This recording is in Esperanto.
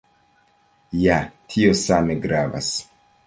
Ja tio same gravas.